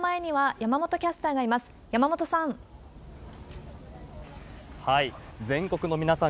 山本さん。